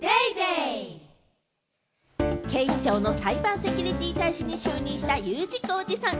警視庁のサイバーセキュリティ大使に就任したＵ字工事さん。